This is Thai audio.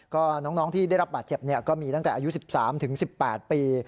ก็น้องที่ได้รับบาดเจ็บก็มีตั้งแต่อายุ๑๓๑๘ปี